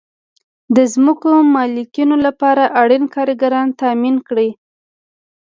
د ځمکو مالکینو لپاره اړین کارګران تامین کړئ.